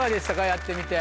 やってみて。